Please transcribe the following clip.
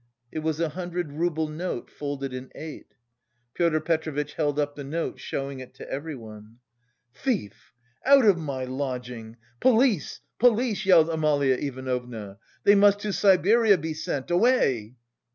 It was a hundred rouble note folded in eight. Pyotr Petrovitch held up the note showing it to everyone. "Thief! Out of my lodging. Police, police!" yelled Amalia Ivanovna. "They must to Siberia be sent! Away!"